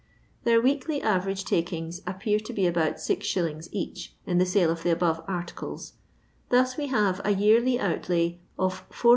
their weekly average takings appear to be about 6i. each in the sale of the above artides, thof we have a yearly oatky ef •..